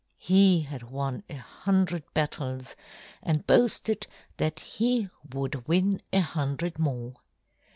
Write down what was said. He had won a hundred battles and boasted that he would win a hundred more.